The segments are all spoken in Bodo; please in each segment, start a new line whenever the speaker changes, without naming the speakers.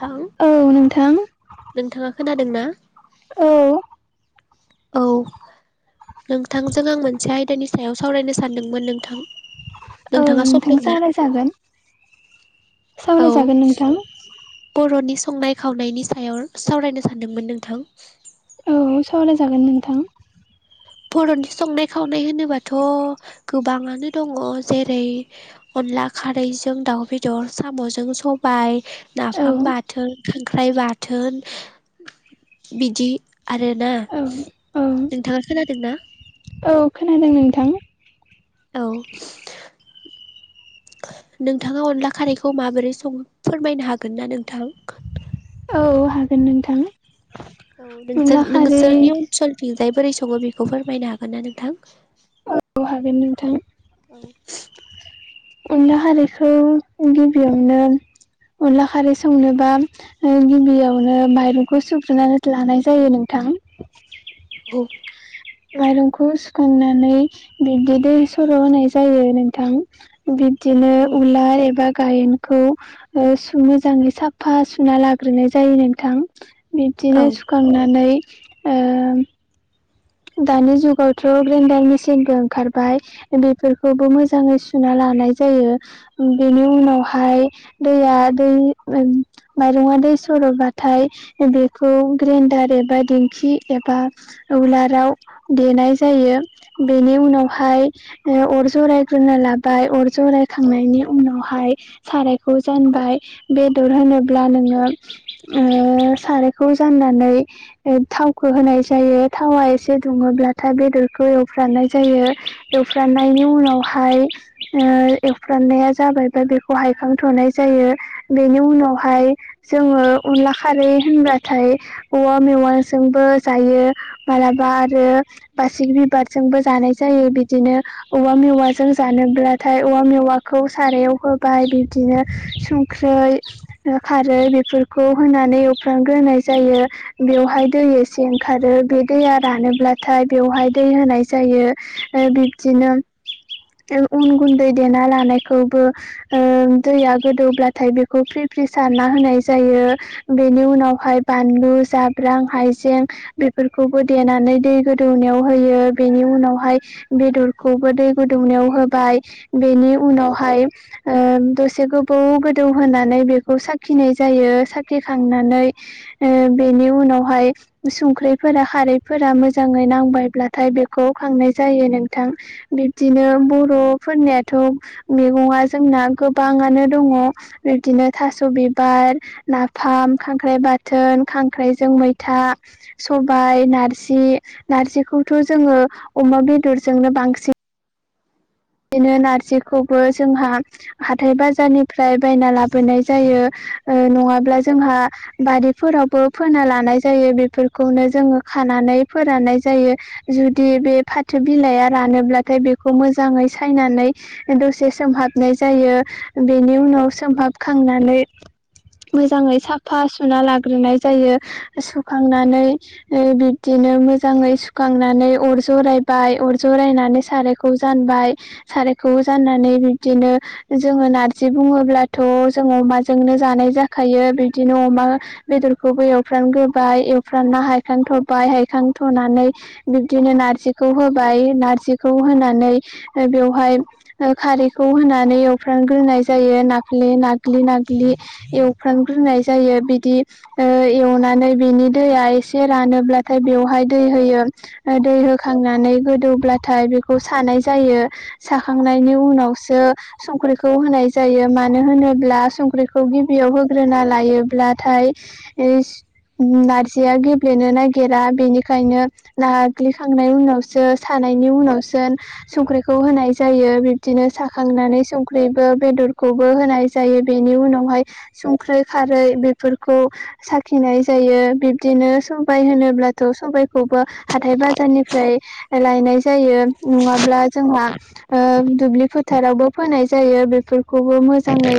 थां
औ नोंथां
नोंथाङा खोनादों ना
औ
औ नोंथांजों आं मोनसे आयदानि सायाव सावरायनो सानदोंमोन नोंथां
औ
नोंथाङा सम
नोंथां
दं ना
सावरायजागोन
औ
सावरायजागोन नोंथां
बर'नि संनाय खावनायनि सायाव सावरायनो सानदोंमोन नोंथां
औ सावराय जागोन नोंथां
बर'नि संनाय खावनाय होनोबाथ' गोबाङानो दङ जेरै अनला खारैजों दाउ बेदर साम'जों सबाय
औ
नाफाम बाथोन खांख्राइ बाथोन बिदि आरोना
औ औ
नोंथाङा खोनादों ना
औ खोनादों नोंथां
औ नोंथाङा अनला खारैखौ माबोरै संं फोरमायनो हागोन ना नोंथां
औ हागोन नोंथां
औ
अनला
नोंसोर
खारै
नोंसोरनि ओनसोलथिं जाय बोरै सङो बेखौ फोरमायनो हागोन ना नोंथां
औ हागोन नोंथां अनला हारिखौ गिबियावनो अनला खारै संनोबा गिबियावनो माइरंखौ सुग्रोनानै लानाय जायो नोंथां
औ
माइरंखौ सुखांनानै बिब्दि दै सर' होनाय जायो नोंथां बिदिनो
औ
उलार एबा। गायेनखौ मोजाङै साफा सुना लाग्रोनाय जायो नोंथां।
औ
बिब्दिनो सुखांनानै ओ। दानि जुगावथ' ग्रेन्डार मेसिनबो ओंखारबाय। बेफोरखौबो मोजाङै सुना लानाय जायो बेनि उनावहाय दैया दै माइरङा दै सरबाथाय बेखौ ग्रेन्दार एबा दिंखि एबा उलार बेयाव देनाय जायो बेनि उनावहाय अर जरायग्रोनो लाबाय अर जरायखांनायनि उनावहाय सारायखौ जानबाय बेदर होनोब्ला खौ जाननानै थावखौ होनाय जायो थावा एसे दुङोब्लाथाय बेदरखौ एवफ्रानाय जायो एवफ्रांनायनि उनावहाय। ओ एवफ्रामनाया जाबायबा बेखौ हायखांथ'नाय जायो। बेनि उनावहाय जोङो अनला खारै होनबाथाय औवा मेवाइ बा आरो बासिक बिबारजोंबो जानाय जायो बिदिनो औवा मेवाजों जानोब्लाथाय औवा मेवाखौ सारायाव होबाय बिबदिनो‌ ख्रै खारै बेफोरखौ होनानै एवफ्राम ग्रोनाय जायो बेवहाय दै एसे ओंखारो बे दैया रानोब्लाथाय बेवहाय दै होनाय जायो ओ बिब्दिनो उन गुन्दै देना लानायखौबो ओ दैया गोदौब्लाथाय बेखौ फ्रि फ्रि सारना होनाय जायो बेनि उनावहाय बानलु जाब्रां हायजें बेफोरखौबो देनानै दै गोदौनायाव होयो बेनि उनावहाय। बेदरखौबो दै गुदुंनायाव होबाय बेनि उनावहाय दसे गोबौ गोदौ होनानै बेखौ साखिनाय जायो साखिखांनानै ओ बेनि उनावहाय संख्रिफोरा खार मोजाङै नांबायब्लाथाय बेखौ खांनाय जायो नोंथां बिब्दिनो बर'फोरनियाथ' मैगङा जोंना बिबदिनो थास' बिबार नाफाम खांख्राइ बाथोन खांख्राइजों मैथा सबाय नारजि जि नारजिखौथ' जों अमा बेदरजोंनो बांसिन बिदिनो नारजिखौबो जोंहा हाथाय बाजारनिफ्राय बायना लाबोनाय जायो ओ नङाब्ला जोंहा बारिफोरावबो फोना लानाय जायो बेफोरखौनो जोङो खानानै फोराननाय जायो जुदि बे फाथो बिलाइआ रानोब्लाथाय बेखौ मोजाङै सायनानै दसे सोमहाबनाय जायो मोजाङै साफा सुना लाग्रोनाय जायो सुखांनानै ओ बिब्दिनो मोजाङै सुखांनानै अर जरायबाय अर जरायनानै सारायखौ जानबाय। सारायखौ जानानानै बिब्दिनो जोङो नारजि बुङोब्लाथ' जों अमाजोंनो जानाय जाखायो बिदिनो अमा बेदरखौबो एवफ्राम ग्रोबाय एवफ्रान ना हायखांथ'बाय हायखां थ'नानै बिब्दिनो नारजिखौ होबाय नारजिखौ होनानै बेवहाय खारैखौ होनानै एवफ्रामग्रोनाय जायो नाफ्ले नाग्लि नाग्लि एवफ्रांग्रोनाय जायो बिदि एवनानै बिनि दैया एसे रानोब्लाथाय बेवहाय दै होयो। दै होखांनानै गोदौब्लाथाय बेखौ सानाय जायो। साखांनायनि उनावसो संख्रिखौ होनाय जायो मानो होनोब्ला संख्रिखौ गिबियाव होग्रोना लायोब्लाथाय नारजिया गेब्लेनो नागिरा बेनिखायनो नाग्लिखांनायनि उनावसो सानायनि उनावसो संख्रिखौ खौ होनाय जायो बिब्दिनो साखांनानै संख्रिबो बेदरखौबो होनाय जायो बेनि उनावहाय संख्रै खारै बेफोरखौ साखिनाय जायो बिब्दिनो सबाय होनोब्लाथ' सबायखौबो हाथाय बाजारनिफ्राय लायनाय जायो नङाब्ला जोंहा ओ दुब्लि फोथारावबो फोनाय जायो बेफोरखौबो मोजाङै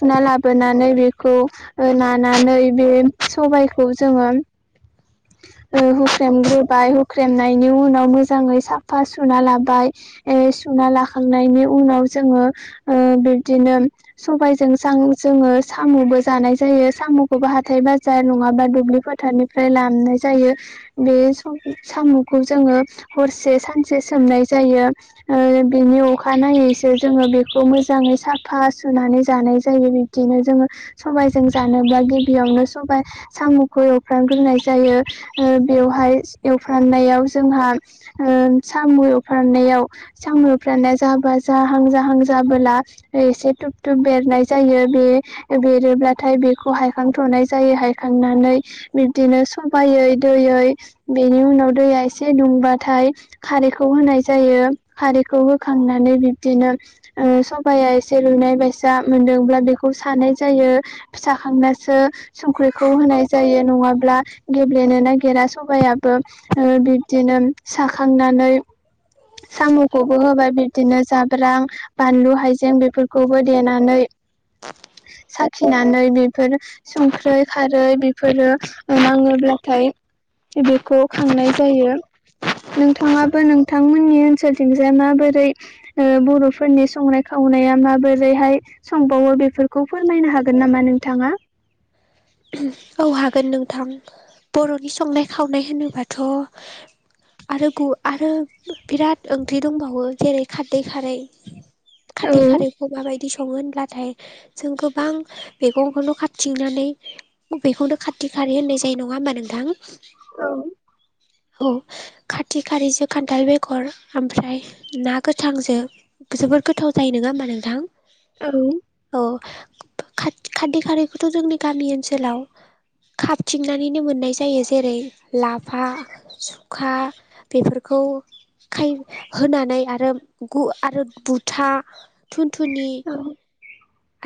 सुना लाबोनानै बेखौ ओ नानै बे सबायाइखौ जोङो ओ हुख्रेमग्रोबाय हुख्रेमनायनि उनाव मोजाङै साफा सुना लाबाय। ए सुना लाखांनायनि उनाव जोङो ओ बिबदिनो सबायजों जोङो साम'बो जानाय जायो साम'खौबो हाथाय बाजार नङाबा दुब्लि फोथारनि फ्राय लाबनाय जायो बे साम'खौ जोङो हरसे सानसे सोमनाय जायो। ओ बिनि अखाानायनायैसो जोङो बेखौ मोजाङै साफा सुनानै जानाय जायो। बिदिनो जोङो सबायाइजों जानोबा गिबियावनो सबाइ साम'खौ एवफ्रानग्रोनाय जायो ओ बेवहाय एवफ्राननायाव जोंहा ओम साम' फाननायाव साम'फ्राननाया जाबा जाहां जाहां जाबोला एसे थुब थुब बेरनाय जायो बे बेरोब्लाथाय बेखौ हायखांथ'नाय जायो हायखांनानै बिब्दिनो सबायै दैयै बेनि उनाव दैया एसे दुंबाथाय खारै खौ होनाय जायो खारैखौ होखांनानै बिब्दिनो ओ सबाया एसे रुनाय बायसा मोनदोंब्ला बेखौ सानाय जायो। फिसा खांनायसो संख्रिखौ होनाय जायो नङाब्ला गेब्लेनो नागिरा सबायाइाबो ओ बिब्दिनो साखांनानै साम'खौबो होबाय बि बिदिनो जाब्रां बानलु हाइजें बेफोरखौबो देनानै साखिनानै बेफोर संख्रै खारै बेफोरो नाङोब्लाथाय बेखौ खांनाय जायो नोंथाङा नोंथांमोननि ओनसोलथिंजाय माबोरै ओ बर'फोरनि संनाय खावनाया माबोरैहाय संबावो बेफोरखौ फोरमायनो हागोन नामा नोंथाङा?
औ हागोन नोंथां बर'नि संनाय खावनाय होनोबाथ' आरो आरो बिराद ओंख्रि दंबावो जेरै खारदै खारै [inaudible]
औ
खाारथै खारैखौ माबायदि सङो होनब्लाथाय जों गोबां मैगंखौनो खाथिंनानै बेखौनो खाारथि खाारै होननाय जायो नङा होमबा नोंथां।
औ
औ खाथि खाारिजों खान्थाल बेगर ओमफ्राय ना गोथांजों जोबोर गोथाव जायो ङा होमबा नोंथां।
औ
औ खाद खारदैखारैखौथ' जोंनि गामि ओनसोलाव खाबथिंनानैनो मोननाय जायो जेरै लाफा सुखा बेफोरखौ खाय होनानै आरो गु आरो बुथा थुनथुनि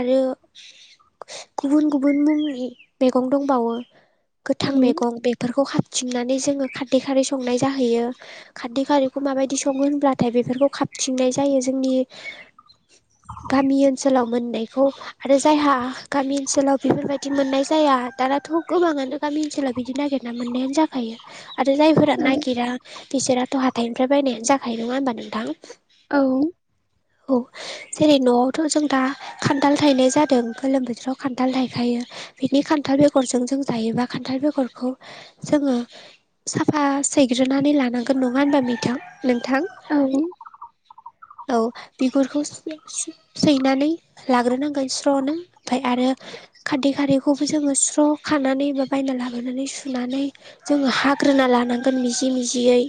आरो गुबुन- गुबुन मुंनि मेगं दंबावो। गोथां
औ
मैगं बेफोरखौ खाबथिंनानै जोङो खारदै खारै संनाय जाहैयो। खारदै खारैखौ माबायदि सङो होनब्लाथाय बेफोरखौ खाबथिंनाय जायो जोंनि गामि ओनसोलाव मोननायखौ आरो जायहा गामि ओनसोलाव बेफोरबायदि मोननाय जाया दानाथ' गोबाङानो गामि ओनसोलाव बिदि नागिरना मोननायानो जाखायो। आरो जायफोरा नागिरा बिसोराथ' हाथाइनिफ्राय बायनायानो जाखायो नङा होनबा नोंथां।
औ
औ जेरै न'आवथ' जों दा खान्थाल थायनाय जादों गोलोम बोथोराव खान्थाल थायखायो। बिनि खान्थाल बेगरजों जों जायोबा खान्थाल बेगरखौ जोङो साफा सैग्रोनानै लानांगोन नङा होनबा मिथां नोंथां
औ
औ बिगुरखौ [inaudible] सैनानै लाग्रोनांगोन स्र'नो ओमफ्राय आरो खारदै खारै बेखौबो जोङो स्र' खानानै बा बायना लाबोनानै सुनानै जोङो हाग्रोना लानांगोन मिजि मिजियै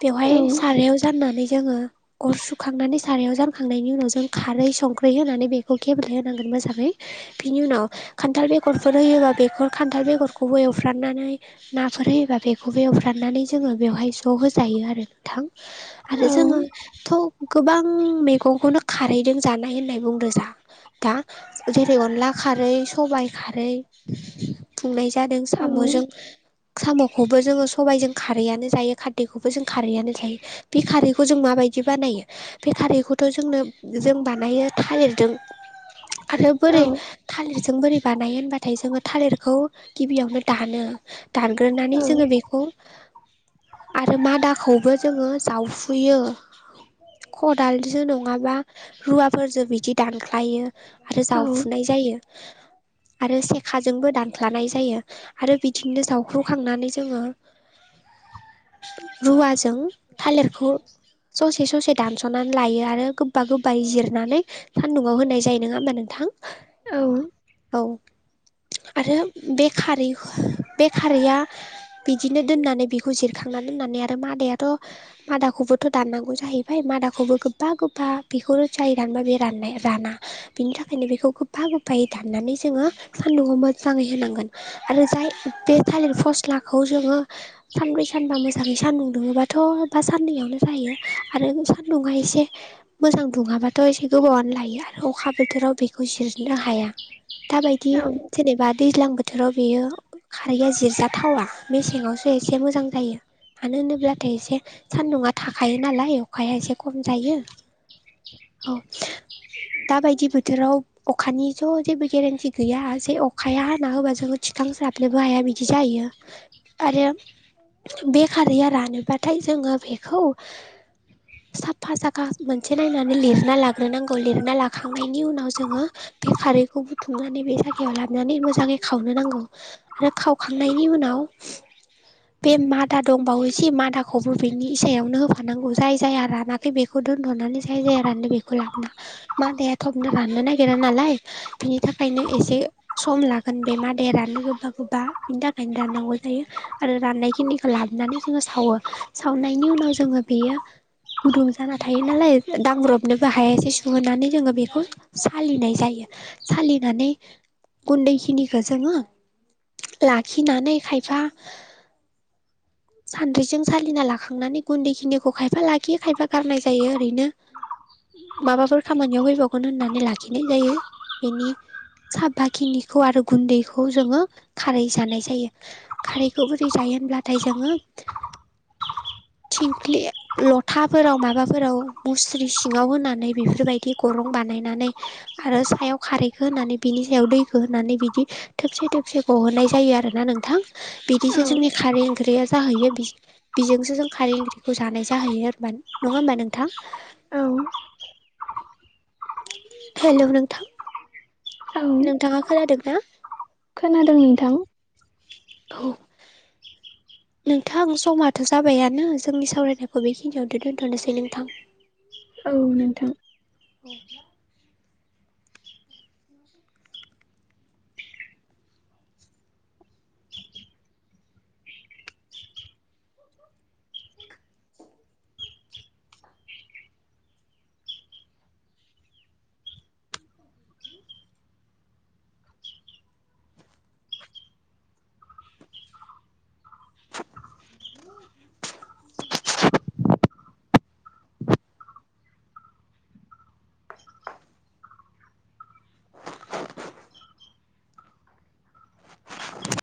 बेवहाय
औ
सारायाव जाननानै जोङो अर सुखांनानै सारायाव जानखांनायनि उनाव जों खारै संख्रै होनानै बे खौ [unintelligible] होनांगोन मोजाङै। बिनि उनाव खान्थाल बेगरफोर होयोबा बे खान्थाल बेगरखौबो एवफ्राननानै नाफोर होयोबा बेखौबो एवफ्राननानै जोङो बेवहाय स्र होजायो आरो। थां आरो जोङो थ' गोबां मेगंखौनो खारैदों जानाय होननाय बुंदो जा दा जेरै अनला खारै सबाइ खारै खुंनाय जादों साम'जों साम'खौबो जोङो सबायजों खारैआनो जायो खारदैखौबो जों खारैआनो जायो। बे खारैखौ जों माबायदि बानायो बे खारैखौथ' जोंनो जों बानायो थालिरदों आरो बोरै थालिरजों बोरै बानायो होनबाथाय जोङो थालिरखौ गिबियावनो दानो दानग्रोनानै जोङो बेखौ आरो मादाखौबो जोङो जावफुयो खदालजों नङाबा रुवाफोरजों बिदि दान लायो आरो
औ-औ-औ-औ-औ-औ-औ-औ-औ-औ
जावफुनाय जायो। आरो सेखाजोंबो दानफ्लानाय जायो आरो बिदिनो जावख्रुखांनानै जोङो रुवाजों थालिरखौ ससे ससे दानस'नानै लायो आरो गोबा गोबायै जिरनानै सानदुं आव होननाय जायो नङा होनबा नोंथां।
औ
औ आरो बे खारै बे खारैया बिदिनो दोननानै बेखौ जिरखांना दोननानै आरो मादायाथ' मादाखौबोथ' दाननांगौ जाहै ओमफाय मादाखौबो गोबा गोबफा बेखौबो जाय रानबा बे राननाय राना बिनि थाखायनो बेखौ गोफा गोफायै दाननानै जोङो सान्दुंआव मोजाङै होनांगोन। आरो जाय बे थालिर फस्लाखौ जोङो सानब्रै सानबा मोजाङै सान्दुं दुङोबाथ' बा साननैयावनो जायो। आरो सान्दुंङा एसे मोजां दुङाबाथ' एसे गोबावानो लायो। आरो अखा बोथोराव बेखौ जिरनो हाया दाबायदि जेनेबा दैज्लां बोथोराव बेयो खारैया जिरजाथावा मेसेङावसो एसे मोजां जायो। मानो होनोब्लाथाय एसे सान्दुंङा थाखायो नालाय अखाया एसे खम जायो। औ दाबायदि बोथोराव। अखानि ज' जेबो गोरोन्थि गैया जे अखाया हाना होबा जोङो थिखांसाब्लाबो हाया बिदि जायो। आरो बे खारैया रानोब्लाथाय जोङो बेखौ साफा जायगा मोनसे नायनानै लिरना लाग्रोनांगौ। खौ लिरना लाखांनायनि उनाव जोङो। बे खारैखौ बुथुमनानै बे जायगायाव लाबोनानै मोजाङै खावनो नांगौ। आरो खावखांनायनि उनाव। बे मादा दंबावो एसे मादाखौबो बेनि इसायावनो होफानांगौ जाय जाया राना। बेखौ दोनथ'नानै जाय जाय रानो बेखौ लाब मादाया थबनो राननो नागिरा नालाय बिनि थाखायनो एसे सम लागोन बे मादाया राननो गोबा गोबा बिनि थाखायनो राननांगौ जायो। आरो राननाय खिनिखौ लाबोनानै जोङो सावो सावनायनि उनाव जोङो बेयो गुदुं जाना थायो नालाय दांब्रबनोबो हाय एसे सुहोनानै जोङो बेखौ सालिनाय जायो सालिनानै गुन्दैखिनिखौ जोङो लाखिनानै खायफा सानद्रिजों सालिना लाखांनानै गुन्दैखिनिखौ खायफा लाखियो खायफा गारनाय जायो ओरैनो। माबाफोर खामानियाव फैबावगोन होननानै लाखिनाय जायो बेनि। साबा खिनिखौ आरो गुन्दैखौ जोङो खारै जानाय जायो। खारैखौ बोरै जायो होनब्लाथाय जोङो। थिंख्लि लथाफोराव माबाफोराव मुस्रि सिङाव होनानै बेफोरबायदि गरं बानायनानै आरो सायाव खारैखौ होनानै बिनि सायाव दैखौ होनानै बिदि थोबसे थोबसे गहोननाय जायो आरोना नोंथां बिदिसो जोंनि खारै ओंख्रि आरो जाहैयो बिजोंसो जों खारै ओंख्रिखौ जानाय जाहैयो नङा होमबा नोंथां।
औ।
हेलौ नोंथां नोंथाङा खोनादोंना।
खोनादों नोंथां।
औ। नोंथां समाथ' जाबायानो जोंनि सावरायनायखौ बेखिनियावथ' दोन्थ'नोसै नोंथां।
औ नोंथां
औ